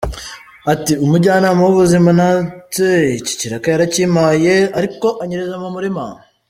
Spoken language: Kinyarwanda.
Ati “Umujyanama w’ubuzima natse iki ikiraka yarakimpaye, ariko anyiriza mu murima.